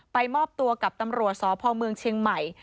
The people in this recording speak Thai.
มอบตัวกับตำรวจสพเมืองเชียงใหม่